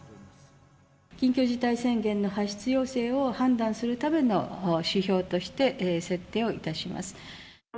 緊急事態宣言の発出要請を判断するための指標として設定をいたします。